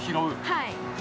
はい。